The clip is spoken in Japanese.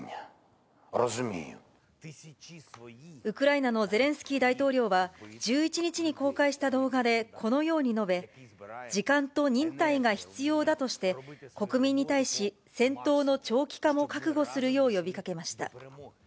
ウクライナのゼレンスキー大統領は、１１日に公開した動画でこのように述べ、時間と忍耐が必要だとして、国民に対し、戦闘の長期化も覚悟するよう呼びかけました。